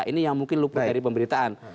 ini yang mungkin lu pernah dari pemberitaan